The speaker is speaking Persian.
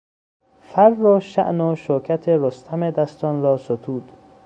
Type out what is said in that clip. فر و شأن و شوکت رستم دستان را ستود.